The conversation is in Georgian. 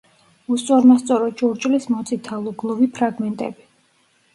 უსწორმასწორო ჭურჭლის მოწითალო, გლუვი ფრაგმენტები.